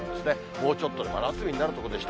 もうちょっとで真夏日になるところでした。